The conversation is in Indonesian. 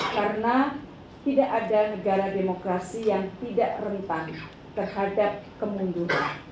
karena tidak ada negara demokrasi yang tidak rentan terhadap kemunduran